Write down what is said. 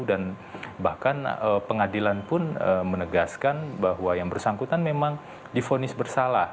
dan bahkan pengadilan pun menegaskan bahwa yang bersangkutan memang difonis bersalah